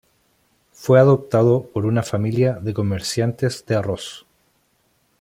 Fue adoptado por una familia de comerciantes de arroz.